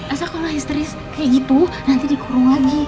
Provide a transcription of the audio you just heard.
asal kalau histeris kayak gitu nanti dikurung lagi